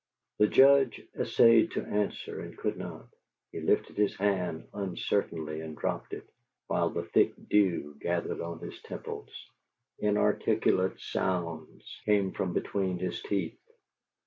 The Judge essayed to answer, and could not. He lifted his hand uncertainly and dropped it, while a thick dew gathered on his temples. Inarticulate sounds came from between his teeth.